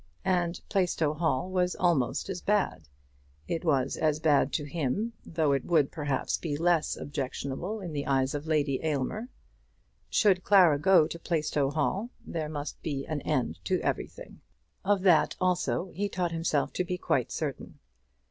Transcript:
And Plaistow Hall was almost as bad. It was as bad to him, though it would, perhaps, be less objectionable in the eyes of Lady Aylmer. Should Clara go to Plaistow Hall there must be an end to everything. Of that also he taught himself to be quite certain.